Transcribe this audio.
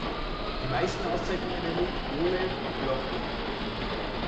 Die meisten Auszeichnungen erhielt Oleh Blochin.